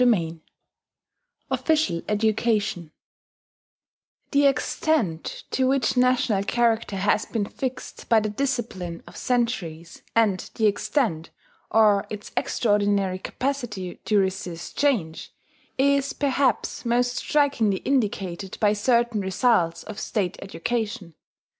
OFFICIAL EDUCATION The extent to which national character has been fixed by the discipline of centuries, and the extent or its extraordinary capacity to resist change, is perhaps most strikingly indicated by certain results of State education.